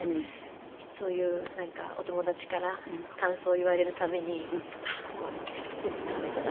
そういうなんかお友達から感想を言われる度にあっもう全然駄目だなと思って。